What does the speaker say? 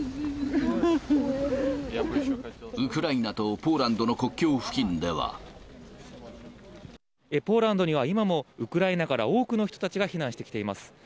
ウクライナとポーランドの国境付ポーランドには今も、ウクライナから多くの人たちが避難してきています。